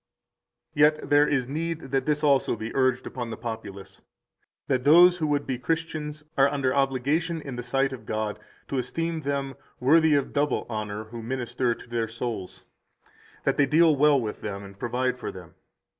161 Yet there is need that this also be urged upon the populace, that those who would be Christians are under obligation in the sight Of God to esteem them worthy of double honor who minister to their souls, that they deal well with them and provide for them.